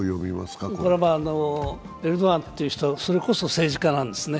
エルドアンという人はそれこそ政治家なんですね。